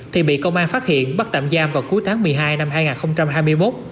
thì bị công an phát hiện bắt tạm giam vào cuối tháng một mươi hai năm hai nghìn hai mươi một